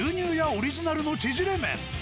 オリジナルのちぢれ麺。